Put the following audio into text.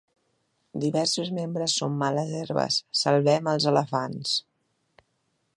Diversos membres són males herbes. Salvem els elefants!